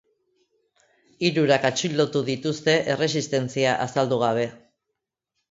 Hirurak atxilotu dituzte erresistentzia azaldu gabe.